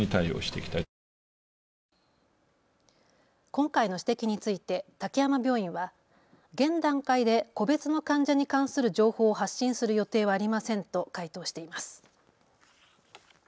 今回の指摘について滝山病院は現段階で個別の患者に関する情報を発信する予定はありませんと回答しています。